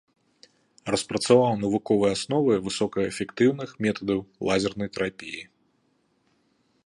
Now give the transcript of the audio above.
Распрацаваў навуковыя асновы высокаэфектыўных метадаў лазернай тэрапіі.